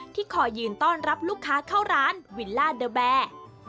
ที่คอยยืนต้อนรับลูกค้าเข้าร้านวิลล่าเดอร์แบร์